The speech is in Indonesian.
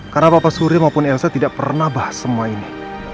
karena papa suri maupun elsa tidak pernah bahas semua ini